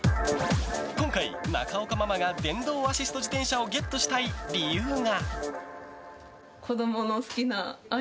今回、中岡ママが電動アシスト自転車をゲットしたい理由が。